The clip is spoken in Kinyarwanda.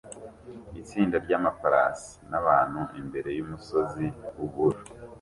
Itsinda ryamafarasi nabantu imbere yumusozi wubura